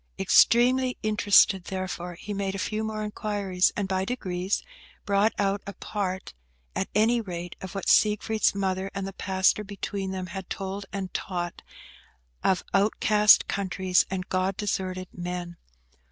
Extremely interested, therefore, he made a few more inquiries, and, by degrees, brought out a part, at any rate, of what Siegfried's mother and the pastor between them had told and taught of outcast countries and God deserted men.